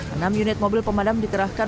enam unit mobil pemadam dikerahkan